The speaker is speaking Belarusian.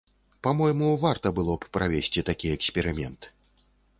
Па-мойму, варта было б правесці такі эксперымент.